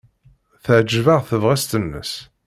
Teɛjeb-aɣ tebɣest-nnes.